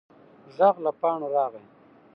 غږ له پاڼو راغی.